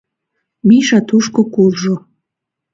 Миша тушко куржо.